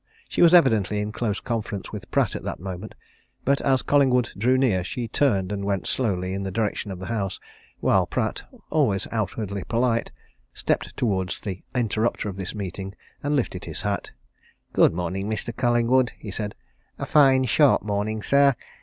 She was evidently in close conference with Pratt at that moment but as Collingwood drew near she turned and went slowly in the direction of the house, while Pratt, always outwardly polite, stepped towards the interrupter of this meeting, and lifted his hat. "Good morning, Mr. Collingwood," he said. "A fine, sharp morning, sir!